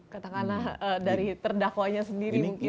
katakanlah dari terdakwanya sendiri mungkin